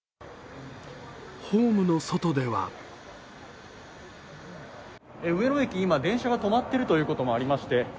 ホームの外では上野駅、今、電車が止まっているということもありまして